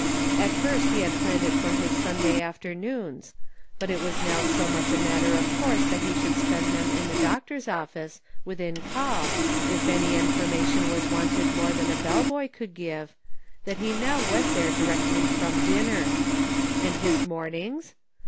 At first he had planned it for his Sunday afternoons, but it was now so much a mat ter of course that he should spend them in the 242 PROGRESS. doctor's office, within call, if any information was wanted more than the bell boy could give, that he now went there directly from dinner. And his mornings